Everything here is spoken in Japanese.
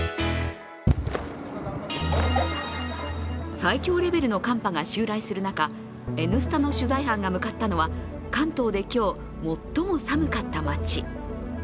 最強レベルの寒波が襲来する中、「Ｎスタ」の取材班が向かったのは関東で今日、最も寒かった町。